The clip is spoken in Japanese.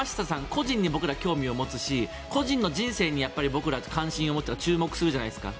個人に僕ら興味を持つし個人の人生に僕らは関心を持つ注目するじゃないですか。